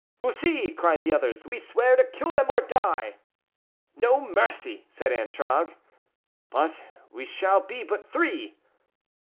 "Bussy," cried the others, "we swear to kill them or die." "No mercy," said Antragues. "But we shall be but three."